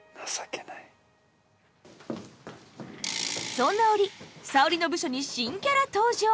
そんな折沙織の部署に新キャラ登場！